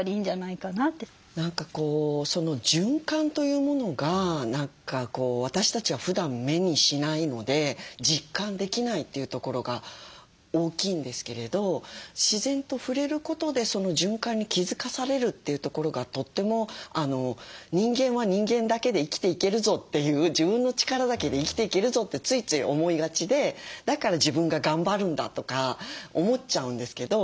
何かこう循環というものが私たちはふだん目にしないので実感できないというところが大きいんですけれど自然と触れることでその循環に気付かされるというところがとっても「人間は人間だけで生きていけるぞ」っていう「自分の力だけで生きていけるぞ」ってついつい思いがちで「だから自分が頑張るんだ」とか思っちゃうんですけど。